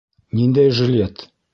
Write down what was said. Ниндәй жилет?